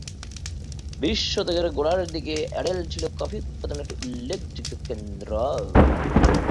বিশ শতকের গোড়ার দিকে অ্যাডেন ছিল কফি উৎপাদনের একটি উল্লেখযোগ্য কেন্দ্র।